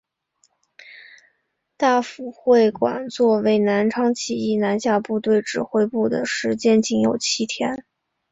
大埔会馆作为南昌起义南下部队指挥部的时间仅有七日。